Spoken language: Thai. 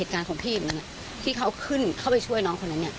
การของพี่มันน่ะที่เขาขึ้นเขาไปช่วยน้องคนนั้นเนี้ย